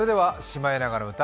「シマエナガの歌」